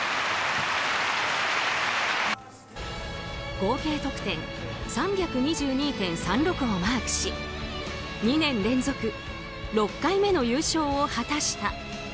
合計得点３２２．３６をマークし２年連続６回目の優勝を果たした。